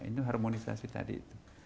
ini harmonisasi tadi itu